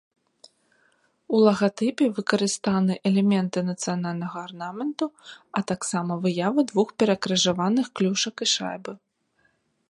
У лагатыпе выкарыстаны элементы нацыянальнага арнаменту, а таксама выявы двух перакрыжаваных клюшак і шайбы.